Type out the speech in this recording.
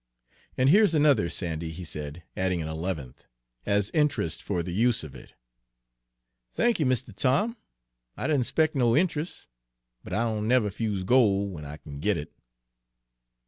"And here's another, Sandy," he said, adding an eleventh, "as interest for the use of it." "Thank y', Mistuh Tom. I didn't spec' no in trus', but I don' never 'fuse gol' w'en I kin git it."